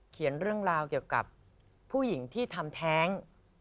เรื่องราวเกี่ยวกับผู้หญิงที่ทำแท้ง